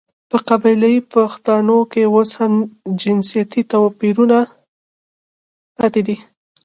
په قبايلي پښتانو کې اوس هم جنسيتي تواپيرونه پاتې دي .